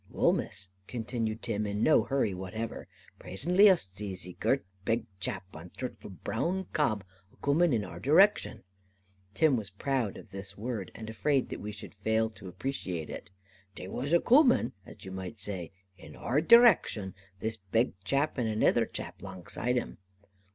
"Wull, Miss," continued Tim, in no hurry whatever, "prasently us zees a girt beg chap on a zort of a brown cob, a coomin in our diraction" Tim was proud of this word, and afraid that we should fail to appreciate it "they was a coomin, as you might zay, in our diraction this beg chap, and anither chap langside on him.